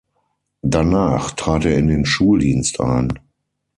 Danach trat er in den Schuldienst ein.